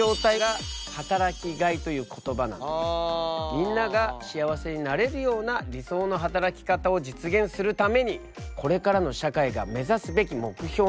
みんなが幸せになれるような理想の働き方を実現するためにこれからの社会が目指すべき目標なんだ。